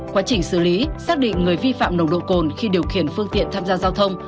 quá trình xử lý xác định người vi phạm nồng độ cồn khi điều khiển phương tiện tham gia giao thông